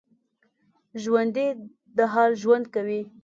ژوندي د حال ژوند کوي